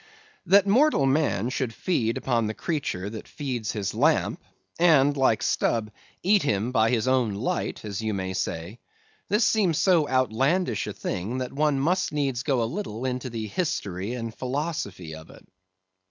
That mortal man should feed upon the creature that feeds his lamp, and, like Stubb, eat him by his own light, as you may say; this seems so outlandish a thing that one must needs go a little into the history and philosophy of it.